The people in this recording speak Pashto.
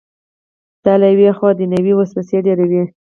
دا له یوې خوا دنیوي وسوسې ډېروي.